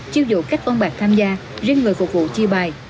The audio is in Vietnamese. chiêu dụ các ông bạc tham gia riêng người phục vụ chi bài